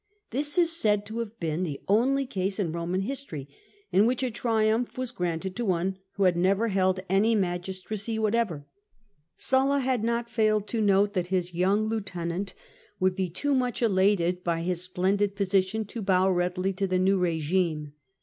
This is said to have been the only case in Eoman history in which a triumph was granted to one who had never held any magistracy whatever. Sulla had not failed to note that his young lieutenant would be POMPEY AND SULLA 241 too much elated by his splendid position to bow readily to the new rigime.